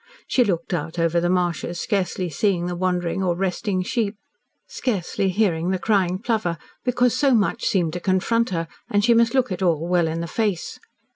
She looked out over the marshes scarcely seeing the wandering or resting sheep, scarcely hearing the crying plover, because so much seemed to confront her, and she must look it all well in the face.